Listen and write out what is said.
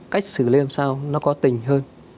cách xử lý làm sao nó có tình hơn